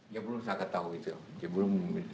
dia belum sangat tahu itu